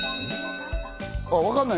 わかんない？